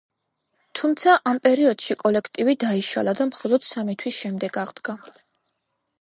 თუმცა, ამ პერიოდში კოლექტივი დაიშალა და მხოლოდ სამი თვის შემდეგ აღდგა.